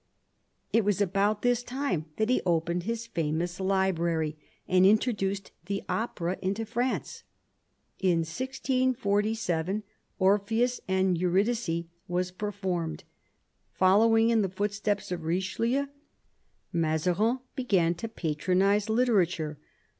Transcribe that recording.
It was about this time that he opened his famous library and introduced the opera into France. V In 1647 Orpheus and Eurydke was performed. Following in the footsteps of Richelieu, Mazarin began to patronise literature.